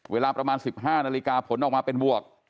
เวลาประมาณ๑๕นาฬิกาผลออกมาเป็นบวก